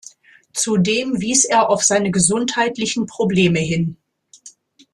Zudem wies er auf seine gesundheitlichen Probleme hin.